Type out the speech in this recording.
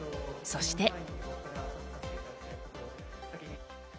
そして。